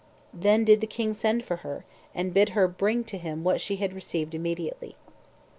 Then did the king send for her, and bid her bring to him what she had received immediately.